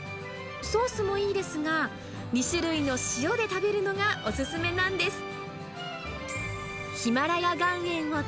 ソースもいいですが、２種類の塩で食べるのがお勧めなんです。